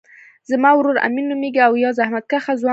زما ورور امین نومیږی او یو زحمت کښه ځوان دی